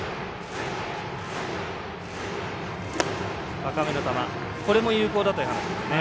高めの球も有効だという話ですね。